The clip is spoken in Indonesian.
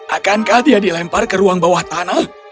akankah dia dilempar ke ruang bawah tanah